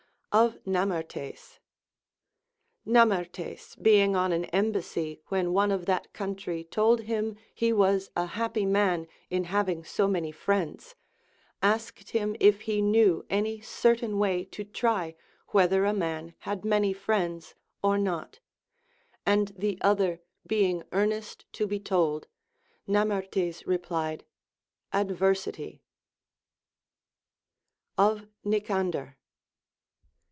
Of Namertes. Namertes being on an embassy, when one of that country told him he was a happy man in having so many friends, asked him if he knew any certain Avay to try whether a man had many friends or not ; and the other being earnest to be told, Namertes replied. Adversity. Of Nicander.